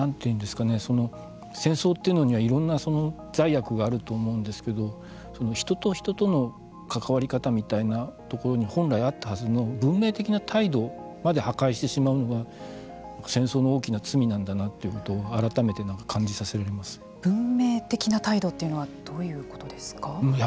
戦争というのはいろんな罪悪があると思うんですけれども人と人との関わり方みたいなところに本来あったはずの文明的な態度まで破壊してしまうのが戦争の大きな罪なんだなということを文明的な態度というのはどういうことですか。